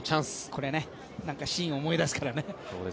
これね、なんかシーンを思い出すからね。